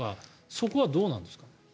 そこはどうなんですか？